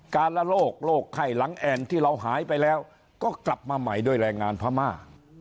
การละโรคโรคไข้หลังแอ่นที่เราหายไปแล้วก็กลับมาใหม่ด้วยแรงงานพม่า